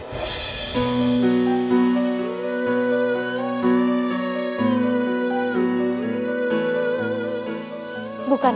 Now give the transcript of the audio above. aku akan mencari kebaikan